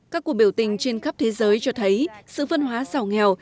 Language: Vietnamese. các cuộc biểu tình trên khắp thế giới cho thấy sự phân hóa giàu nghèo